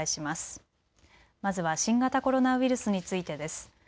まずは新型コロナウイルスについてです。